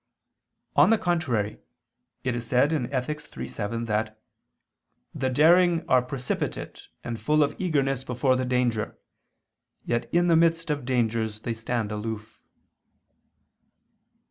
On the contrary, It is said in Ethic. iii, 7 that "the daring are precipitate and full of eagerness before the danger, yet in the midst of dangers they stand aloof."